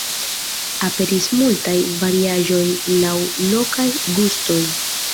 Aperis multaj variaĵoj laŭ lokaj gustoj.